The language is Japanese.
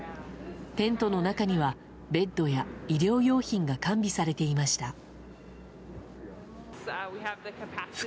テントの中にはベッドや医療用品が完備されていました。